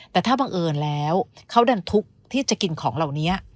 แต่ถ้าบังเอิญแล้วเขาดันทุกข์ที่จะกินของเหล่านี้